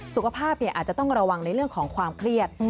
สุขภาพอาจจะต้องระวังในเรื่องของความเครียด